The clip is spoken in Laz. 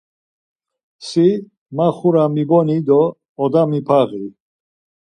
Si ma xura miboni do oda mipaği.